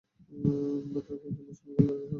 মাত্র কয়েকজন মুসলমানকে লড়তে আপনি দেখেন নি?